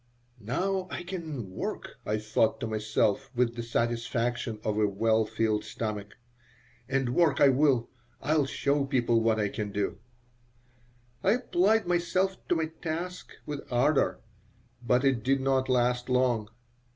"Now I can work," I thought to myself, with the satisfaction of a well filled stomach. "And work I will. I'll show people what I can do." I applied myself to my task with ardor, but it did not last long.